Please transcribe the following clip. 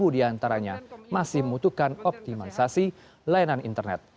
tiga di antaranya masih membutuhkan optimisasi layanan internet